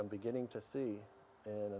yang saya mulai melihat